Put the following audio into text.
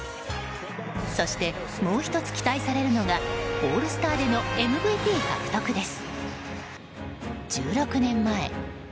そして、もう１つ期待されるのがオールスターでのＭＶＰ獲得です。